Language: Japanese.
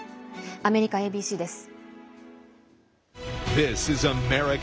アメリカＡＢＣです。